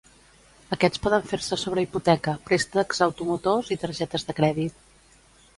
Aquests poden fer-se sobre hipoteca, préstecs automotors i targetes de crèdit.